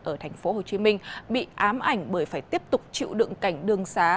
ở thành phố hồ chí minh bị ám ảnh bởi phải tiếp tục chịu đựng cảnh đường xá